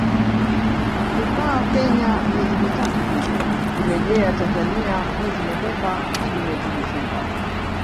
kukaa Kenya miezi mitatu hivi hurejea Tanzania mwezi Novemba hadi mwezi Disemba